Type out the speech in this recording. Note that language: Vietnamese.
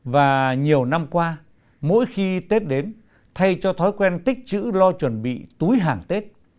và nhiều năm qua mỗi khi tết đến thay cho thói quen tích chữ lo chuẩn bị túi hàng tết